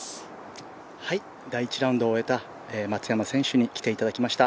第１ラウンドを終えた松山選手に来ていただきました。